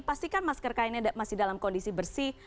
pastikan masker kainnya masih dalam kondisi bersih